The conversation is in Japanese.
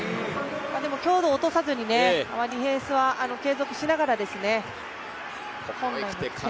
強度を落とさずにディフェンスは継続しながらですね。